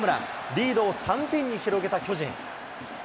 リードを３点に広げた巨人。